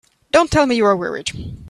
Don't tell me you were worried!